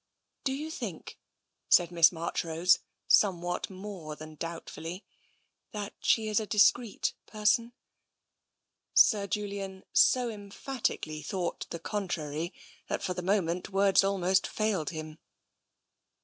Do you think," said Miss Marchrose, somewhat more than doubtfully, " that she is a discreet person? " Sir Julian so emphatically thought the contrary that for the moment words almost failed him.